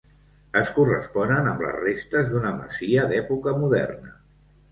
Es corresponen amb les restes d'una masia d'època moderna.